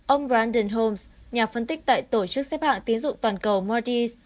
ông brandon holmes nhà phân tích tại tổ chức xếp hạng tín dụng toàn cầu mordis